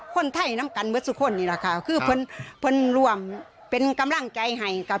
คนไทยน้ำกันเหมือนทุกคนนี่แหละค่ะคือเพื่อนเพื่อนร่วมเป็นกำลังใจให้กับ